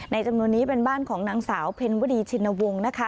จำนวนนี้เป็นบ้านของนางสาวเพ็ญวดีชินวงศ์นะคะ